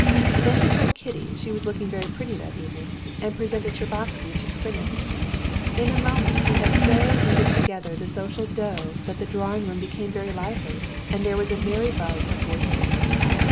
Then he told Kitty she was looking very pretty that evening, and presented Shtcherbatsky to Karenin. In a moment he had so kneaded together the social dough that the drawing room became very lively, and there was a merry buzz of voices.